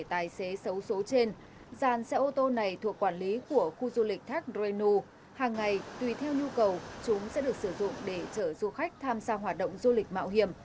hàng ngày tùy theo nhu cầu chúng sẽ được sử dụng để chở du khách tham gia hoạt động du lịch mạo hiểm